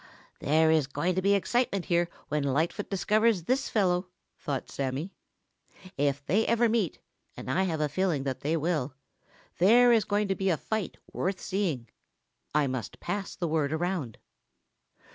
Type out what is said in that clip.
"There is going to be excitement here when Lightfoot discovers this fellow," thought Sammy. "If they ever meet, and I have a feeling that they will, there is going to be a fight worth seeing. I must pass the word around."